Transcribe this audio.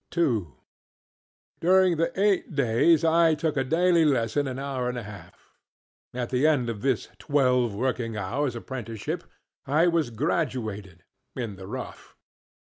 II During the eight days I took a daily lesson of an hour and a half. At the end of this twelve working hoursŌĆÖ apprenticeship I was graduatedŌĆöin the rough.